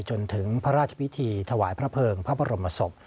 จนถึงพระราชพิธีถวายพระเภิงพระบรมศพ